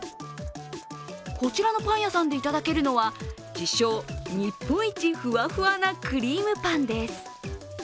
こちらのパン屋さんでいただけるのは、自称日本一ふわふわなクリームパンです。